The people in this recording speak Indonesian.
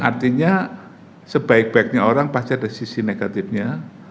artinya sebaik baiknya orang pasti ada sisi negatifnya